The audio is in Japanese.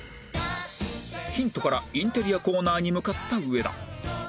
ヒントからインテリアコーナーに向かった上田